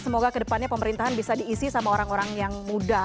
semoga kedepannya pemerintahan bisa diisi sama orang orang yang muda